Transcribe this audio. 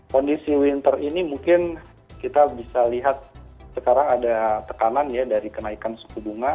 kondisi winter ini mungkin kita bisa lihat sekarang ada tekanan ya dari kenaikan suku bunga